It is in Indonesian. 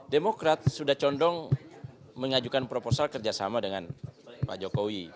demokrat sudah condong mengajukan proposal kerjasama dengan pak jokowi